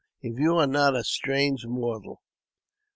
if you are not a strange mortal